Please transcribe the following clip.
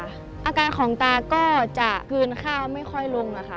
อาการของตาก็จะกลืนข้าวไม่ค่อยลงค่ะ